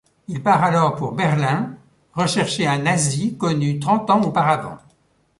Il part alors pour Berlin rechercher un nazi connu trente ans auparavant.